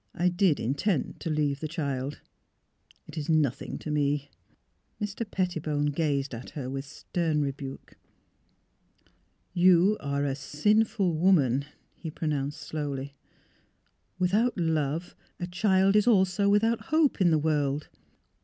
I did intend to leave the child. It is nothing to me." Mr. Pettibone gazed at her with stern rebuke. '' You are a sinful woman," he pronounced, slowlj^. " Without love, a child is also without hope in the world.